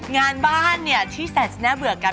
งานบ้านเนี่ยที่แสนจะแน่เบื่อกัน